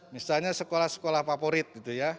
misalnya sekolah sekolah favorit